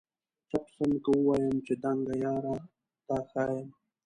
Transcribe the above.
چپ سمه که ووایم چي دنګه یاره تا ښایم؟